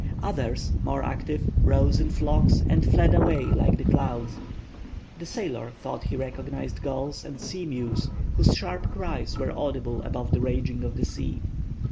Others, more active, rose in flocks, and fled away like the clouds. The sailor thought he recognized gulls and sea mews, whose sharp cries were audible above the raging of the sea.